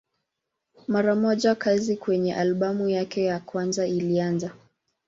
Mara moja kazi kwenye albamu yake ya kwanza ilianza.